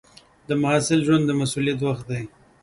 د محصل ژوند د مسؤلیت وخت دی.